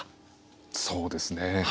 そうですね。